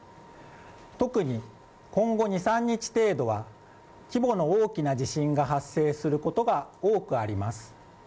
特に今後２３日程度は規模の大きな地震が発生することが多くあります。